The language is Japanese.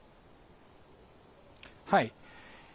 はい。